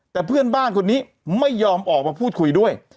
แต่เพื่อนบ้านคนนี้ไม่ยอมออกมาพูดคุยด้วย